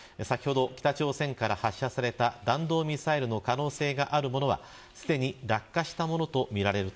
北朝鮮から発射された弾道ミサイルの可能性があるものはすでに落下したものとみられる